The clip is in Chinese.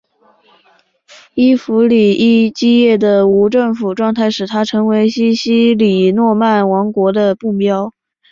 伊弗里基叶的无政府状态使它成为西西里诺曼王国的目标。